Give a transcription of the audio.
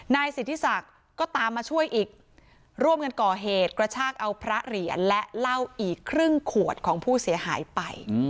นายสิทธิศักดิ์ก็ตามมาช่วยอีกร่วมกันก่อเหตุกระชากเอาพระเหรียญและเหล้าอีกครึ่งขวดของผู้เสียหายไป